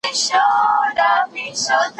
خپله دعوا سمه ثابته کړه.